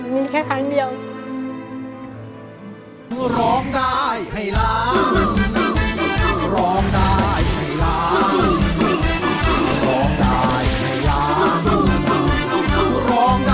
มีแค่ครั้งเดียว